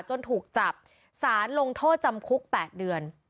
จนถูกจับสารลงโทษจำคุก๘เดือน